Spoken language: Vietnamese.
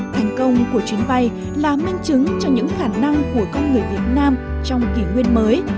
thành công của chuyến bay là minh chứng cho những khả năng của con người việt nam trong kỷ nguyên mới